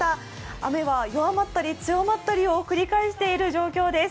雨は弱まったり強まったりを繰り返している状況です。